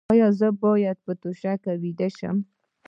ایا زه باید په توشک ویده شم؟